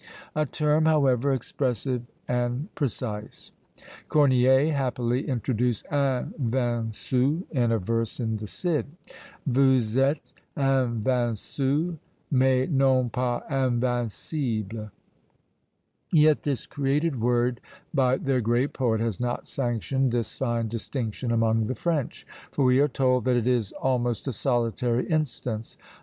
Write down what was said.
A term, however, expressive and precise. Corneille happily introduced invaincu in a verse in the Cid, Vous êtes invaincu, mais non pas invincible. Yet this created word by their great poet has not sanctioned this fine distinction among the French, for we are told that it is almost a solitary instance.